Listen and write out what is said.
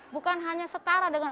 bukan hanya setara dengan